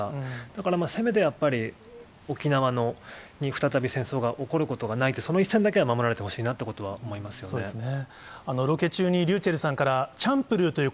だから、せめてやっぱり沖縄に再び戦争が起こることがないって、その一線だけは守られてほしいなと思いますよね。